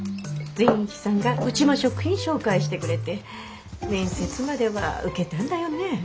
善一さんが内間食品紹介してくれて面接までは受けたんだよね。